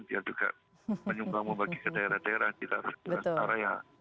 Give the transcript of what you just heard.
dia juga menyumbang membagi ke daerah daerah di daerah daerah antara ya